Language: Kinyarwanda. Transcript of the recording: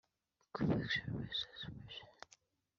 jye nkomeza urugendo